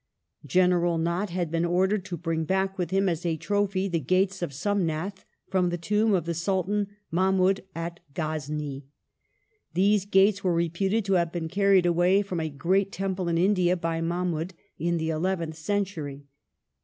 General Nott had been ordered to bring back with him as a trophy the gates of Somnath from the tomb of the Sultan Mahmud at Ghazni. These gates were reputed to have been canied away from a great temple in India by Mahmud in the eleventh century.